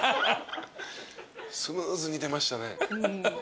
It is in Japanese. スムーズに出ましたね。